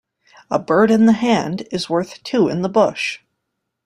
A bird in the hand is worth two in the bush.